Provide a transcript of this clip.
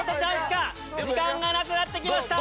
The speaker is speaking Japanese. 時間がなくなって来ました。